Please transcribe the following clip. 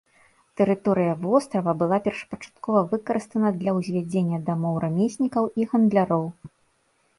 Тэрыторыя вострава была першапачаткова выкарыстана для ўзвядзення дамоў рамеснікаў і гандляроў.